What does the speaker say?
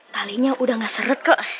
talinya udah nggak seret kak